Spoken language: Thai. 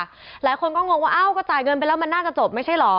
หลายคนก็งงว่าอ้าวก็จ่ายเงินไปแล้วมันน่าจะจบไม่ใช่เหรอ